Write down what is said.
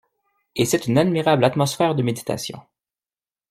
Et c'est une admirable atmosphère de méditation.